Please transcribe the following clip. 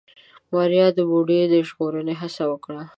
ماريا د بوډۍ د ژغورنې هڅه وکړه.